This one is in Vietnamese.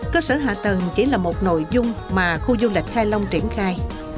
cơ sở hạ tầng chỉ là một nội dung mà khu du lịch khai long triển khai